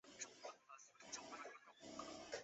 人民公正党大力提倡社会正义及反腐败的议程。